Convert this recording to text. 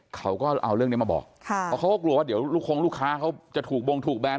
เขาก็เอาเรื่องนี้มาบอกเพราะเขาก็กลัวว่าเดี๋ยวลูกคงลูกค้าเขาจะถูกบงถูกแบน